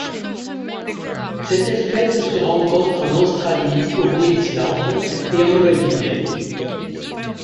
Cette espèce se rencontre en Australie au Queensland et en Nouvelle-Guinée.